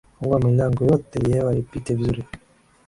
Fungua milango yote hewa ipite vizuri.